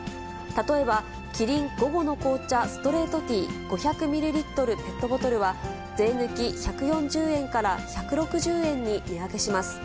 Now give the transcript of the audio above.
例えば、キリン午後の紅茶ストレートティー５００ミリリットルペットボトルは税抜き１４０円から１６０円に値上げします。